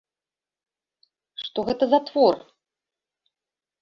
Што гэта за твор?